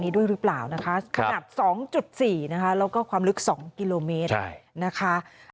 ด้วยหรือเปล่านะคะขนาด๒๔นะคะแล้วก็ความลึก๒กิโลเมตรนะคะ